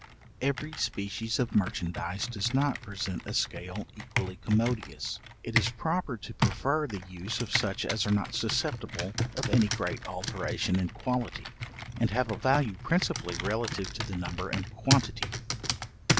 Every species of merchandize does not present a scale equally commodious. It is proper to prefer the use of such as are not susceptible of any great alteration in quality, and have a value principally relative to the number and quantity.